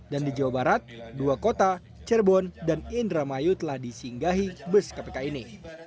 dan di jawa barat dua kota cerbon dan indramayu telah disinggahi bus kpk ini